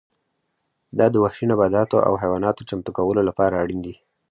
دا د وحشي نباتاتو او حیواناتو چمتو کولو لپاره اړین دي